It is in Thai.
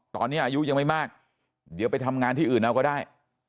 ตอนนี้อายุยังไม่มากเดี๋ยวไปทำงานที่อื่นเอาก็ได้